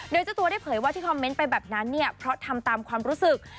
โดยเจ้าตัวได้เผยว่าที่คอมเมนต์ไปแบบนั้นเนี่ยเพราะทำตามความรู้สึก